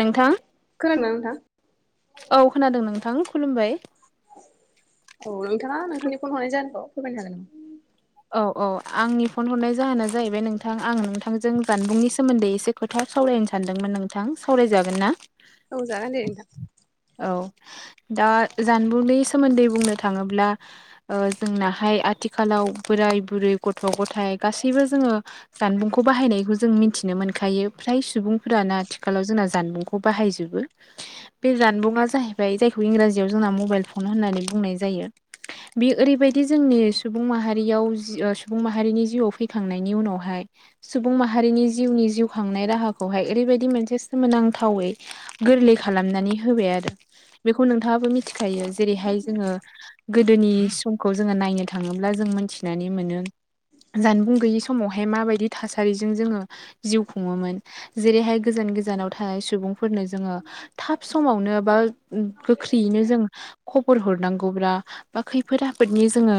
नोंथां खोनादोंना नोंथां औ खोनादों नोंथां खुलुमबाय। औ नोंथाङा नोंथांनि फन हरनाय जाहोनखौ फोरमायनो हागोन नामा? औ औ आंनि फन हरनाय जाहोना जाहैबाय नोंथां आं नोंथांजों जानबुंनि सोमोन्दै एसे खोथा सावरायनो सानदोंमोन नोंथां सावरायजागोन ना? औ जागोन दे नोंथां। औ दा जानबुंनि सोमोन्दै बुंनो थाङोब्ला ओ जोंनाहाय आथिखालाव बोराय बुरै गथ' गथाय गासैबो जोङो जानबुंखौ बाहायनायखौ जों मिथिनो मोनखायो फ्राय सुबुंफोरानो आथिखालाव जोंना जानबुंखौ खौ बाहायजुबो। बे जानबुंआ जाहैबाय जायखौ इंराजियाव जोंना मबाइल फन होननानै बुंनाय जायो। बे ओरैबायदि जोंनि सुबुं माहारि रियाव सुबुं माहारिनि जिउआव फैखांनायनि उनावहाय सुबुं माहारिनि जिउनि जिउ खांनाय राहाखौहाय ओरैबायदि मोनसे सोमोनांथावै गोरलै खालामनानै होबाय। आरो बेखौ नोंथाङाबो मिथिखायो। जेरैहाय जोङो गोदोनि समखौ जोङो नायनो थाङोब्ला जों मोनथिनानै मोनो। जानबुं गैयि समावहाय माबायदि थासारिजों जोङो जिउ खुङोमोन। जेरैहाय गोजान गोजानाव थानाय सुबुंफोरनो जोङो थाब समावनो बा गोख्रैयैनो जों खबर हरनांगौब्रा बा खैफोद आफोदनि जोङो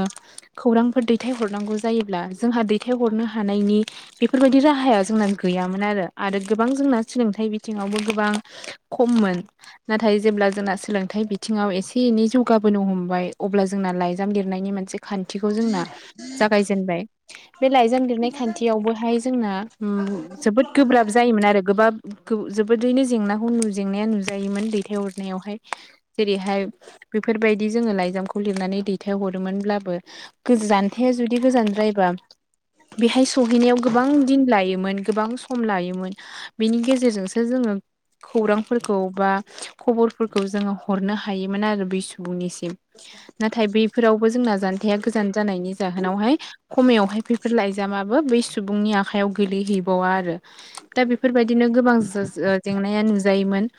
खौरां फोर दैथायहरनांगौ जायोब्ला जोंहा दैथायहरनो हानायनि बेफोरबायदि राहाया जोंना गैयामोन आरो। आरो गोबां जोंना सोलोंथाइ बिथिङावबो गोबां खममोन। नाथाय जेब्ला जोंना सोलोंथाइ बिथिङाव एसे एनै जौगाबोनो हमबाय अब्ला जोंना लाइजाम लिरनायनि मोनसे खान्थिखौ जोंना जागायजेनबाय बे लाइजाम लिरनाय खान्थियावबोहाय जोंना जोबोद गोब्राब जायोमोन आरो गोबाब जोबोदैनो जेंनाखौ नु जेंनाया नुजायोमोन दैथायहरनायावहाय। जेरैहाय बेफोरबायदि जोङो लाइजामखौ लिरनानै दैथायहरोमोनब्लाबो गोजानथाया जुदि गोजानद्रायबा बेहाय सहैनायाव गोबां दिन लायोमोन गोबां सम लायोमोन। बेनि गेजेरजोंसो जोङो खौरांफोरखौ बा खबरफोरखौ जोङो हरनो हायोमोन आरो बै सुबुंनिसिम। नाथाय बैफोरावबो जोंना जानथाया गोजान जानायनि जाहोनावहाय खमायावहाय बेैफोर लाइजामाबो बै सुबुंनि आखाइआव गोलैहैबावा आरो। दा बेफोरबायदिनो गोबां जेंनाया नुजायोमोन।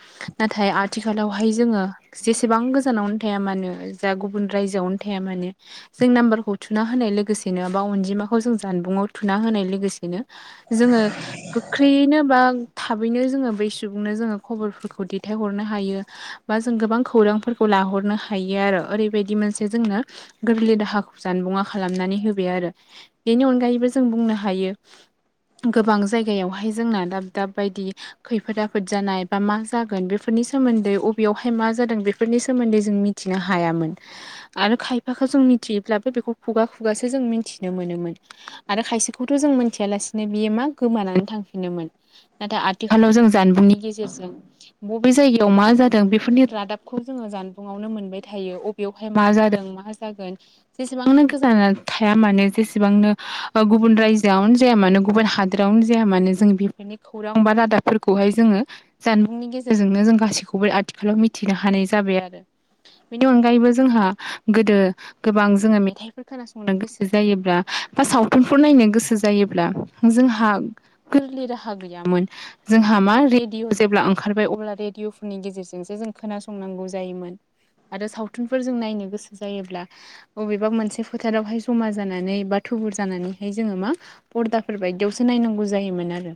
नाथाय आथिखालावहाय जोङो जेसेबां गोजानावनो थाया मानो जा गुबुन रायजोआवनो थाया मानो जों नाम्बारखौ थुना होनाय लोगोसेनो बा अनजिमाखौ जों जानबुंङआव थुना होनाय लोगोसेनो जोङो गोख्रैयैनो बा थाबैनो जोङो बै सुबुंनो जोङो खबरफोरखौ दैथायहरनो हायो। बा जों गोबां खौरांफोरखौ लाहरनो हायो आरो ओरैबायदि मोनसे जोंनो गोरलै दाहा खौ जानबुंङा खालामनानै होबाय आरो बेनि अनगायैबो जों बुंनो हायो गोबां जायगायावहाय जोंना दाब दाब बायदि खैफोद आफोद जानाय बा मा जागोन बेफोरनि सोमोन्दै अबेयावहाय मा जादों बेफोरनि सोमोन्दै जों मिथिनो हायामोन। आरो खायफाखौ जों थिब्लाबो बेखौ खुगा खुगासो जों मिन्थिनो मोनोमोन। आरो खायसेखौथ' जों मोनथियालासिनो बियो मा गोमानानै थांफिनोमोन। नाथाय आथिखालाव जों जानबुंनि गेजेरजों बबे जायगायाव मा जादों बेफोरनि रादाबखौ जोङो जानबुं बुङावनो मोनबाय थायो। अबेयावहाय मा जादों मा जागोन जेसेबांनो गोजान थाया मानो जेसेबांनो गुबुन रायजोआवनो जाया मानो गुबुन हाद दरावनो जाया मानो जों बेफोरनि खौरां बा रादाबफोरखौहाय जोङो जानबुंनि गेजेरजोंनो जों गासैखौबो आथिखालाव मिथिनो हानाय जाबाय आरो। बेनि अनगायैबो जोंहा गोदो गोबां जोङो मेथाइ फोर खोनासंनो गोसो जायोब्ला बा सावथुनफोर नायनो गोसो जायोब्ला जोंहा गोरलैराहा गैयामोन। जोंहा मा रेडिअ जेब्ला ओंखारबाय अब्ला रेडिअफोरनि गेजेरजोंसो जों खोनासं नांगौ जायोमोन। आरो सावथुनफोर जों नायनो गोसो जायोब्ला अबेबा मोनसे फोथारावहाय जमा जानानै बा थुबुर जानानैहाय जोङो मा फरदाफोर बायदियावसो नायनांगौ जायोमोन आरो।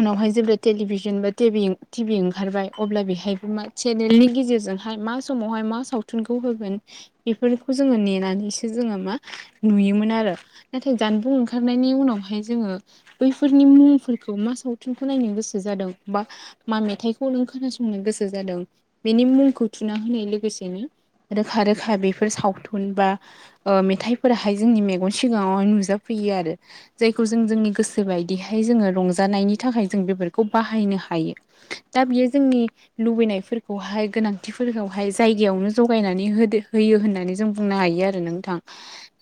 उनावहाय जेब्ला टेलिभिसन बा टेभि टिभि ओंखारबाय अब्ला बेहायबो मा चेनेलनि गेजेरजों- हाय मा समावहाय मा सावथुनखौ होगोन। बेफोरखौ जोङो नेनानैसो जोङो मा नुयोमोन आरो। नाथाय जानबुं ओंखारनायनि उनावहाय जोङो बैफोरनि मुंफोरखौ मा सावथुनखौ नायनो गोसो जादों बा मा मेथाइखौ नों खोनासंनो गोसो जादों। बेनि मुंखौ थुना होनाय लोगोसेनो रोखा रोखा बेफोर सावथुन बा ओ मेथाइफोराहाय जोंनि मेगन सिगाङावनो नुजाफैयो आरो। जायखौ जों जोंनि गोसोबायदिहाय जोङो रंजानायनि थाखाय जों बेफोरखौ बाहायनो हायो। दा बियो जोंनि लुबैनायफोरखौहाय गोनांथिफोरखौहाय जायगायावनो जगायनानै होदो। होयो होननानै जों बुंनो हायो आरो नोंथां।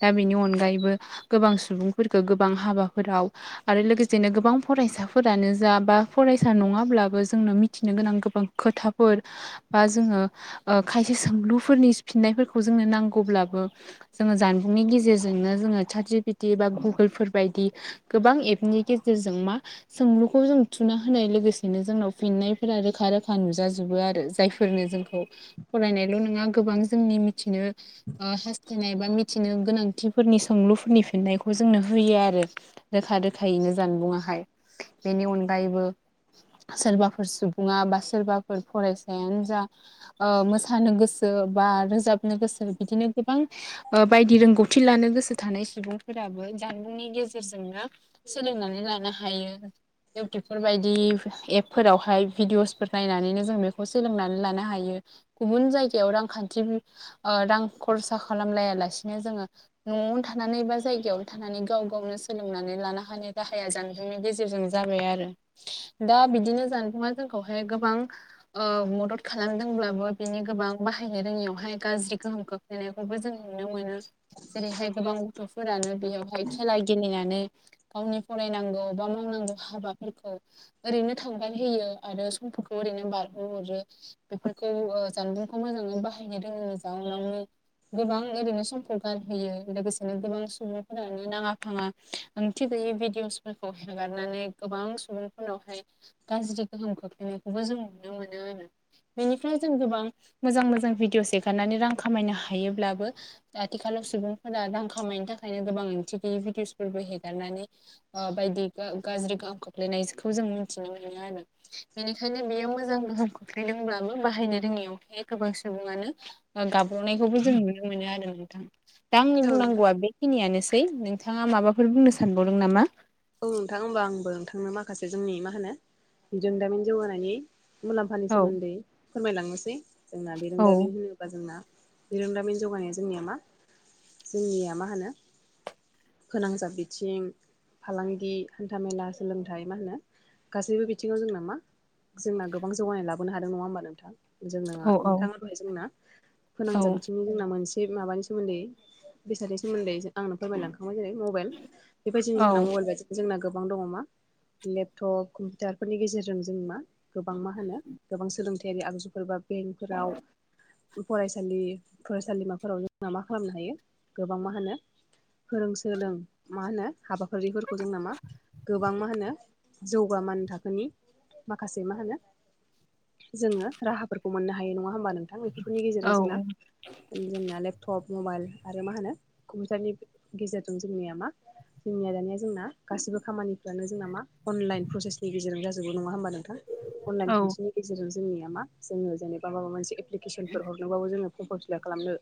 दा बेनि अनगायैबो गोबां सुबुंफोरखौ गोबां हाबाफोराव आरो लोगोसेनो गोबां फरायसाफोरानो जा बा फरायसा नङाब्लाबो जोंनो मिथिनो गोनां गोबां खोथाफोर बा जोङो ओ खायसे सोंलुफोरनि फिननायफोरखौ जोंनो नांगौब्लाबो जोङो जानबुंनि गेजेरजोंनो जोङो साथ जेपेटि बा गुगोलफोर बायदि गोबां एपनि गेजेरजों मा सोंलुखौ जों थुना होनाय लोगोसेनो जोंनाव फिननायफोरा रोखा रोखा नुजाजोबो आरो। जायफोर नो जोंखौ फरायनायल' नङा गोबां जोंनि मिथिनो ओ हास्थायनाय बा मि- बिदिनो गोनांथिफोरनि सोंलुफोरनि फिन्नायखौ जोंनो होयो आरो। रोखा रोखायैनो जानबुंङाहाय। बेनि अनगायैबो सोरबाफोर सुबुङा बा सोरबाफोर फरायसायानो जा ओ मोसानो गोसो बा रोजाबनो गोसो बिदिनो गोबां ओ बायदि रोंगौथि लानो गोसो थानाय सुबुंफोराबो जानबुंनि गेजेरजोंनो सोलोंनानै लानो हायो। इउटुबफोर बायदि एपफोरावहाय भिडिअसफोर नायनानैनो जों बेखौ सोलोंनानै लानो हायो। गुबुन जायगायाव रांखान्थि ओ रां खरसा खालामलायालासिनो जोङो न'आवनो थानानै बा जायगायावनो थानानै गाव गावनो सोलोंनानै लानो हानाय राहाया जानो- नि गेजेरजों जाबाय आरो। दा बिदिनो जानबुंआ जोंखौहाय गोबां ओ मदद खालामदोंब्लाबो बिनि गोबां बाहाय- नो रोङियावहाय गाज्रि गोहोम खोख्लैनायखौबो जों नुनो मोनो। जेरैहाय गोबां गथ'फोरानो बेयावहाय खेला गेलेनानै गावनि फरायनांगौ बा मावनांगौ हाबाफोरखौ ओरैनो थांगार होयो आरो समफोरखौ ओरैनो बारग'हरो। बेफोरखौ ओ जानबुंखौ मोजाङै बाहायनो रोङैनि जाउनावनो गोबां ओरैनो समखौ गारहोयो। लोगोसेनो गोबां सुबुंफोरानो नाङा-फाङा ओंथि गयै भिडिअसफोरखौ हगारनानै गोबां सुबुं- उनावहाय गाज्रि गोहोम खोख्लैनायखौबो जों नुनो मोनो आरो। बेनिफ्राय जों गोबां मोजां मोजां भिडियस एगारनानै रां खामायनो हायोब्लाबो आथिखालाव सुबुंफोरा रां खामायनो थाखायनो गोबां ओंथि गैयै भिदिअसफोरबो हेगारनानै ओ बायदि गा-गाज्रि गोहोम खोख्लायनायखौ जों मिथिनो मोनो आरो बेनिखायनो बेयो मोजां गोहोम खख्लैदोंब्लाबो बाहायनो रोङियावहाय गोबां सु- सुबुङानो गाब्रनायखौबो जों नुनो मोनो आरो नोंथां। दा आंनि औ बुंनांगौवआ बे- खिनियानोसै नोंथाङा माबाफोर बुंनो सानबावदों नामा? औ नोंथां होमबा आंबो नोंथांनो माखासे जोंनि मा होनो जोंदामिन जौगानायनि मुलाम्फानि औ सोमोन्दै फोरमायलांनोसै। जोंना औ बिरोंदामिन होनो- ब्ला जोंना बिरोंदामिन जौगानाया जोंनिया मा जोंनिया मा होनो फोनांजाब बिथिं फालांगि, हान्थामेला, सोलोंथाइ मा होनो गासैबो बिथिङाव जोंना मा जोंना गोबां जौगानाय लाबोनो हादों नङा होमबा नोंथां! जोंनाङा औ नोंथाङा दहाय जोंना फोनांजाब औ बिथिंनि जोंना मोनसे माबानि सोमोन्दै बेसादनि सोमोन्दै आंनो फोरमायलांखांबाय जेरै मबाइल दिनै जोंना मबाइल बायदि जोंना गोबां दङ मा लेपटप कम्पिउटारफोरनि गेजेरजों जों मा गोबां मा होनो गोबां सोलोंथायारि आगजुफोर बा बेंकफोराव फरायसालि फरायसालिमाफोराव जोंना मा खालामनो हायो गोबां मा होनो फोरों सोलों मा होनो हाबाफारिफोरखौ जों नामा गोबां मा होनो जौग मानो थाखोनि माखासे मा होनो जोङो राहाफोरखौ मोननो हायो नङा होमबा नोंथांं! बेफोरनि गेजेरजों औ जोंना औ जोंना लेपटप मबाइल आरो मा होनो कम्पिउटारनि गेजेरजों जोंनिया मा जोंनिया दानिया जोंना गासिबो खामानिफ्रानो जोंना मा अनलाइन प्रसेसनि गेजेरजों जाजोबो नङा होमबा नोंथां! अनलाइन औ खान्थिनि गेजेरजों जोंनिया मा जोङो जेनेबा माबा मोनसे एप्लिकेसनफोर हर नोबाबो जोङो फरम फोर फिलाप खालामनो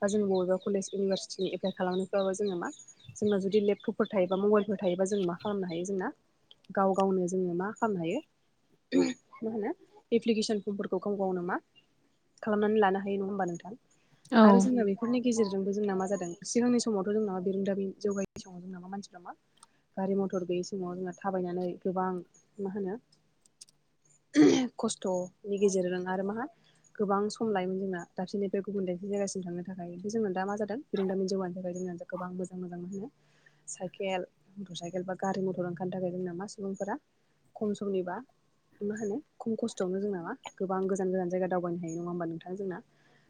बा जों बबेबा कलेज इउनिभारसिटिनि एप्लाइ खालामफ्रबाबो जोङो मा जोंना जुदि लपटप फोर थायोबा मबाइलफोर थायोबा जों मा खालामनो हायो जोंना गाव गावनो जोङो मा खालामनो हायो मा होनो एप्लिकेसन फर्मफोरखौ गाव गावनो नामा खालामनानै लानो हायो नङा होमबा नोंथां! औ आरो जोङो बेफोरनि गेजेरजोंबो जोंना मा जादों सिगांनि समावथ' जोंनावा बिरोंदाबि जौगाय समाव [unintelligible] गारि मथर गैयि समाव जोङो थाबायनानै गोबां मा होनो! [unintelligible] खस्थ'नि गेजेरजों आरो मा गोबां सम लायोमोन जोंना, दाबसिनि बे गुबुन दाबसे जायगासिम थांनो थाखाय ओमफ्राय जोंना दा मा जादों? बिरोंदामि जौगानो थाखाय जोंना गोबां मोजां-मोजां होनो। साइकेल, मटर साइकेल बा, गारि मथर ओंखारनो थाखाय जोंना मा सुबुंफोरा, खम समनिबा मा होनो खम खस्थ'आवनो जों नामा गोबां गोजान-गोजान जायगा दावबायनो हायो नङा होमबा नोंथां जोंना!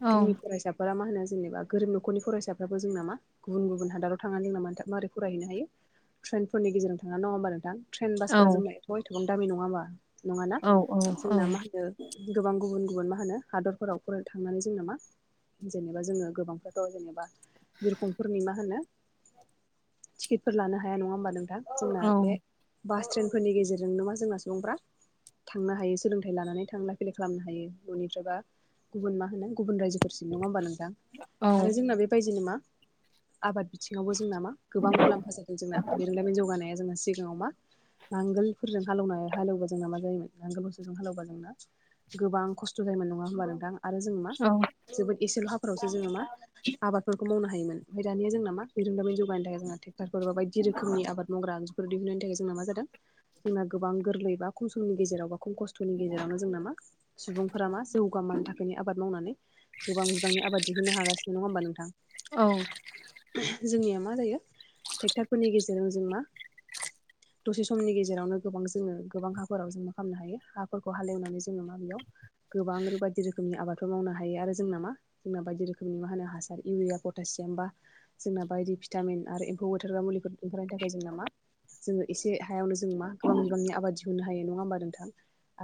औ जोंनि फरायसा फोरा मा होनो जेनेबा गोरिब नखरनि फरायसाफ्राबो जों नामा गुबुन-गुबुन हादराव थांनानै दं नामा माबारै फरायहैनो हायो। ट्रेनफोरनि गेजेरजों थाङा नङा होनबा नोंथां! ट्रेन औ बासफोरा जोंना अ एथ'बांनो दामि नङा हा नङाना औ औ औ जोंना मा होनो? गोबां गुबुन-गुबुन मा होनो हादरफोराव फरायनो थांनानै जों नो मा! जेनेबा जोङो गोबांफ्राथ' जेनेबा बिरखंफोरनि मा होनो? टिकेटफोर लानो हाया नङा होमबा नोंथां। औ जोंना बे बास ट्रेनफोरनि गेजेरजों मा जोंना सुबुंफ्रा थांनो हायो। सोलोंथाइ लानानै थांलाय-फैलाय खालामनो हायो न'निफ्रायबा गुबुन मा होनो गुबुन रायजोफोरसिम नङा होनोमबा नोंथां! आरो जोंना बेबायदिनो मा आबाद बिथिङावबो जोंना मा गोबां मुलाम्फा जादों जोंना बिरोंदामिन जौगानाया जोंना सिगाङाव मा नांगोलफोरजों हालेवनाय हालौबा जोंना मा जायोमोन! नांगोलफोर हालेबा जों ना गोबां खस्थ' जायोमोन नङा होनोमबा नोंथां! आरो जों ना मा, जोबोद एसेल' हाफोरावसो जोङो मा आबादफोरखौ मावनो हायोमोन। ओमफ्राय दानिया जोंना मा बि रोंदामि जौगायनो थाख- जों ट्रेक्टरफोर बायदि रोखोमनि आबाद मावग्रा आनजुफोर दिहुननायनि थाखाय जों मा जादों! जोंना गोबां गोरलै बा, खम समनि गेजेराव बा, खम खस्थ'नि गेजेरावनो जोंना मा! सुबुंफोरा मा जौगा मान थाखोनि आबाद मावनानै, गोबां बिबांनि आबाद दिहोननो हागासिनो। नङा होमबा नोंथां! औ [unintelligible] जोंनिया मा जायो? ट्रेक्टरफोरनि गेजेरजों जों मा, [unintelligible] दसे समनि गेजेरावनो गोबां जोङो गोबां हाफोराव जों मा खालामनो हायो, हाफोरखौ हालेवनानै जोङो मा बेयाव गोबां रो बायदि रोखोमनि आबाद। बे मावनो हायो। आरो जोंना मा जोंना बायदि रोखोमनि मा होनो हासार इउरिया पटासियाम बा जोंना बायदि पिटामिन आरो एम्फौ बुथारग्रा मुलिफोर ओखारनायनिनि थाखाय जोंना मा? जोङो एसे हायावनो जों मा गोबां बिबांनि आबाद दिहुननो हायो नङा होमबा नोंथां।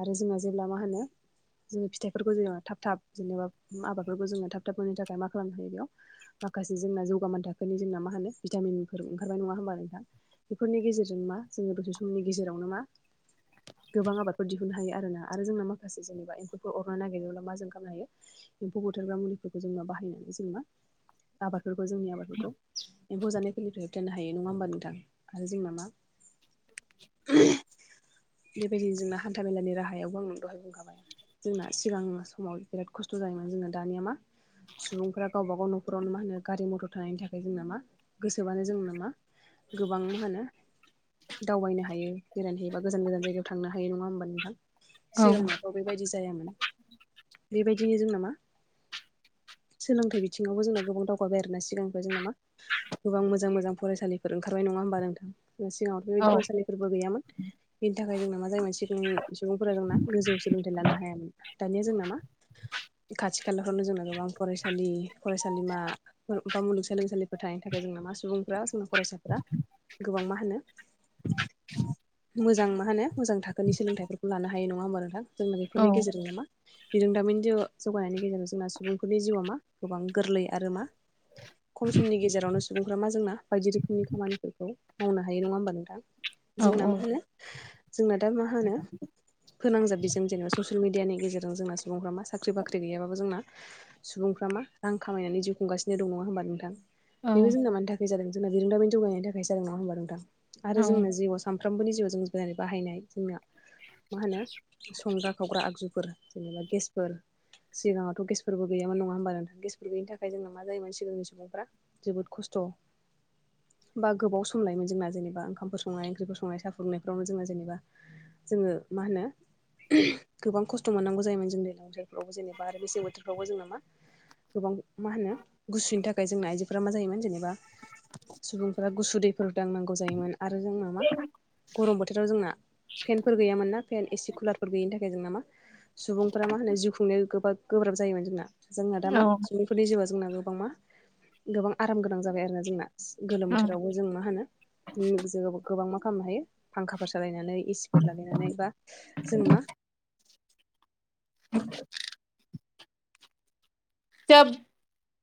आरो जोंहा जेब्ला मा होनो? जोङो फिथाइफोरखौ जोङो थाब-थाब जेनेबा, आबादफोरखौ जोङो थाब-थाब होननि थाखाय मा खालामनो हायो बेयाव माखासे जोंना जौगामोन थाखोनि जोंना मा होनो? भिटामिनफोर ओंखारबाय नङा होमबा नोंथां बेफोरनि गेजेरजों मा जोङो दसे समनि गेजेरावनो मा? गोबां आबादफोर दिहुननो हायो आरोना। आरो जोंना माखासे जेनेबा एम्फौफोर अरनो नागिरनोब्ला मा जों खालामनो हायो? एम्फौ बोथारग्रा मुलिफोरखौ जोंना बाहायनानै जों मा आबादफोरखौ जोंनि आबादफोरखौ फौ जानायफोरनिफ्राय होबथनो हायो नङा होमबा नोंथां, आरो जोंना मा? [inaudible] बेबायदिनो जोंना हान्थामेलानि राहायावबो आं दहाय बुंखाबाय। जोंना सिगां समाव बिराद खस्थ' जायोमोन जोङो दानिया मा? सुबुंफ्रा गावबा - गाव न'खरावनो मा होनो गारि मथर थानायनि थाखाय जोंना मा? गोसोबानो जों मा गोबां होनो? दावबायनो हायो बेरायनोहायोबा गोजान-गोजान जायगायाव थांनो हायो, नङा होमबा नोंथां? सिगांनाथ' बेबायदि जायामोन बेबायदिनो जोंना मा? सोलोंथाइ बिथिङावबो जोंना गोबां दावगाबाय आरोना सिगांनिफ्राय जोंना मा? गोबां मोजां मोजां फरायसालिफोर ओंखारबाय नङा होमबा नोंथां। सिाङावथ' बेबायदि फरायसालिफोरबो गैयामोन। बिनि थाखाय जोंना मा जायोमोन सिगांनि सुबुंफोरा जोंना गोजौ सोलोंथाइ लानो हायामोन। दानिया जों नामा खाथि खालाफ्रावनो जोंना गोबां फरायसालि फरायसालिमाफोर बा मुलुगसोलोंसालिफोरथाय थाखाय जोंना मा सुबुंफ्रा जोंना फरायसाफोरा गोबां मा होनो [inaudible] मोजां मा होनो मोजां थाखोनि सोलोंथाइफोरखौ लानो हायो नङा होमब नोंथां। जोंना बेफोरनि गेजेरजों नो मा बिरोंदामिन जोङो जौगानायनि गेजेरजों जोंना सुबुंफोरनि जिउआ मा गोबां गोरलै आरो मा खम समनि गेजेरावनो सुबुंरफोरा जोंना बायदि रोखोमनि खामानिफोरखौ मावनो हायो नङा होमबा नोंथां। औ जोंना मा होनो जोंना दा मा होनो? फोनांजाब बेजों जेनेबा ससियेल मिडियानि गेजेरजों जोंना सुबुंफ्रा मा साख्रि बाख्रि गैयाबाबो जोंना सुबुंफ्रा मा रां खामायनानै जिउ खुंगासिनो दं नङा होनोमबा नोंथां। बेबो जोंना मानि थाखाय जादों जोंना बिरोंदामिनि जौगायनायनि थाखायसो जादों नङा होमबा नोंथां। आरो जोंनो जिउआव सानफ्रोमबोनि जिउआव जों जेरै बाहायनाय जोंना। मा होनो संग्रा खावग्रा आगजुफोर जेनेबा गेसफोर सिगाङावथ' गेसफोरबो गोयामोन नङा होमबा नोंथां। गेसफोर गोयैनि थाखाय जोंना मा जायोमोन सिगांनि सुबुंफ्रा जोबोद खस्थ'। बा गोबाव सम लायोमोन जोंना जेनेबाओंखफोर संनाय ओंख्रिफोरखौ संनाय साफुदुंनायफ्रावनो जोंना जेनेबा। जोङो मा होनो गोबां खस्थ' मोननांगौ जायोमोन जों दैलां बोथोरफ्रावबो जेनेबा आरो मेसें बोथोरफ्रावबो जोंना मा? गोबां मा होनो गुसुनि थाखाय जोंना आइजोफोरा मा जायोमोन जेनेबा सुबुंफोरा गुसु दैफोर दांनांगौ जायोमोन। आरो जोंना मा गरम बोथोराव जोंना फेनफोर गैयामोन ना फेन एसि कुलारफोर गैयिनि थाखाय जोंना मा सुबुंफोरा मा होनो जिउ खुंनायाव गोबाब गोब्राब जायोमोन जोंना। जोंना दा मा औ सुबुंफोरनि जिउआ जोंना गोबां मा गोबां आराम गोनां जाबाय आरो जोंना। गोलोम औ बोथोरावबो जों मा होनो [unintelligible] गोबां मा खालामनो हायो फांखाफोर सालायनानै एसिफोर लागायनानै बा जों मा [unintelligible] [unintelligible]